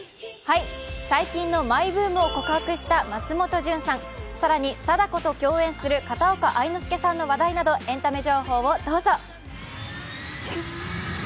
最近のマイブームを告白した松本潤さん、更に貞子と共演する片岡愛之助さんの話題などエンタメ情報をどうぞ。